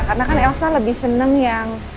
karena kan elsa lebih seneng yang